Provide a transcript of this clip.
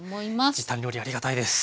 時短料理ありがたいです。